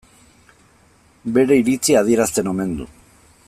Bere iritzia adierazten omen du.